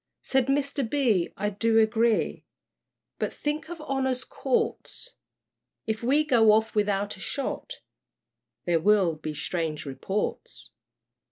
Said Mr, B., I do agree But think of Honor's Courts! If we go off without a shot, There will be strange reports.